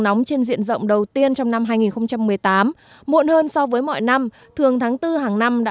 nóng trên diện rộng đầu tiên trong năm hai nghìn một mươi tám muộn hơn so với mọi năm thường tháng bốn hàng năm đã